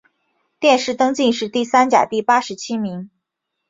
殿试登进士第三甲第八十七名。